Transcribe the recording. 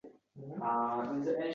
Tinch yo’q